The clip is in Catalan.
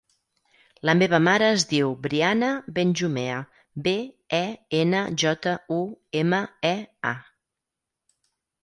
La meva mare es diu Brianna Benjumea: be, e, ena, jota, u, ema, e, a.